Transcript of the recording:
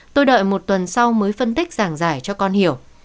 tôi đợi một tuần sau mới phân tích giảng giải cho con hiểu